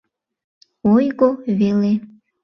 Ойго веле.